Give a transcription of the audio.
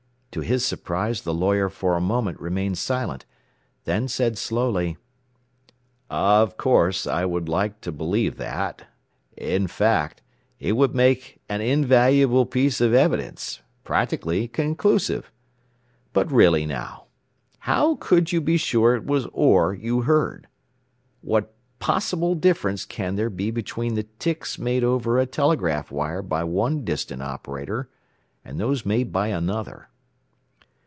To his surprise the lawyer for a moment remained silent, then said slowly, "Of course I would like to believe that. In fact it would make an invaluable piece of evidence practically conclusive. "But really now, how could you be sure it was Orr you heard? What possible difference can there be between the ticks made over a telegraph wire by one distant operator, and those made by another?"